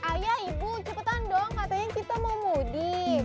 ayah ibu cepetan dong katanya kita mau mudik